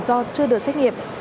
do chưa được xét nghiệm